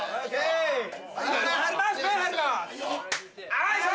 よいしょ！